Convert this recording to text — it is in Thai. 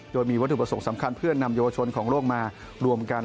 โดยมีวัตถุประสงค์สำคัญเพื่อนำเยาวชนของโลกมารวมกัน